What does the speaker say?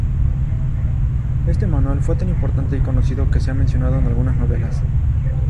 Este manual fue tan importante y conocido que se ha mencionado en algunas novelas.